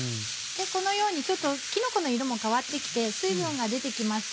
このようにちょっとキノコの色も変わって来て水分が出て来ました。